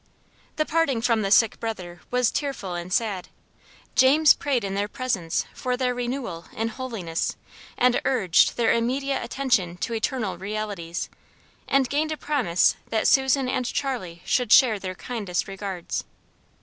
The parting from the sick brother was tearful and sad. James prayed in their presence for their renewal in holiness; and urged their immediate attention to eternal realities, and gained a promise that Susan and Charlie should share their kindest regards.